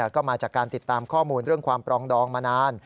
ก็มาจากการติดตามข้อมูลเรื่องความปรองดองมานาน